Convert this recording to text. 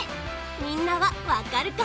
みんなはわかるかな？